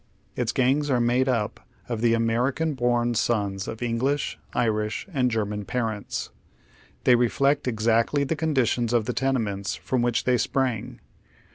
Its gangs are made up of the American born sons of English, Irish, and German parents. They reflect ex actly the conditions of the tenements from which they sprang.